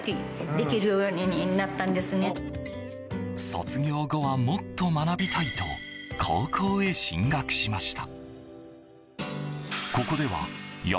卒業後はもっと学びたいと高校へ進学しました。